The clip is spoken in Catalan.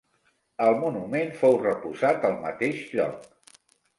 El monument fou reposat al mateix lloc.